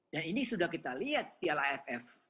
dan ini sudah kita lihat di laff